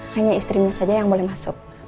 hanya istrinya saja yang boleh masuk